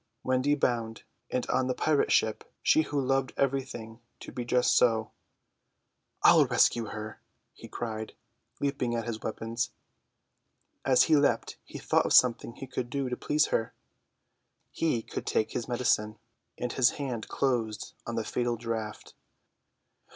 Wendy bound, and on the pirate ship; she who loved everything to be just so! "I'll rescue her!" he cried, leaping at his weapons. As he leapt he thought of something he could do to please her. He could take his medicine. His hand closed on the fatal draught.